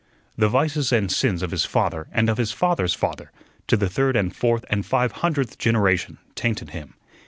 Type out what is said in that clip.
The vices and sins of his father and of his father's father, to the third and fourth and five hundredth generation, tainted him.